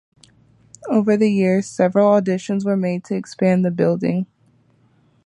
Over the years, several additions were made to expand the building.